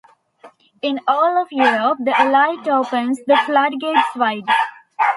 In all of Europe the elite opens the floodgates wide.